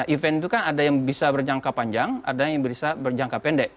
event itu kan ada yang bisa berjangka panjang ada yang bisa berjangka pendek